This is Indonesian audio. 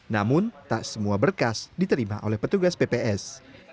namun tak semua berkas diterima oleh petugas pps